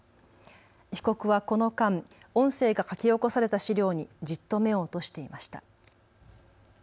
被告はこの間、音声が書き起こされた資料にじっと目を落としていました。